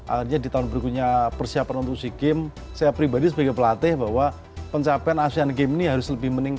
akhirnya di tahun berikutnya persiapan untuk sea games saya pribadi sebagai pelatih bahwa pencapaian asean games ini harus lebih meningkat